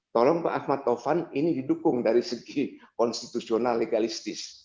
tolong pak ahmad taufan ini didukung dari segi konstitusional legalistis